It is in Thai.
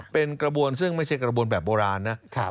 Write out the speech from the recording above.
เป็นกระบวนซึ่งไม่ใช่กระบวนแบบโบราณนะ